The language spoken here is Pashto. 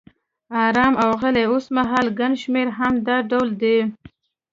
آرام او غلی، اوسمهال ګڼ شمېر هم دا ډول دي.